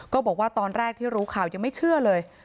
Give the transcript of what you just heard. บอกว่าตอนแรกที่รู้ข่าวยังไม่เชื่อเลย